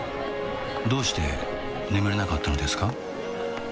どうして眠れなかったのですか？